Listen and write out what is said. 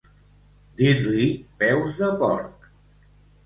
Dir-li peus de porc.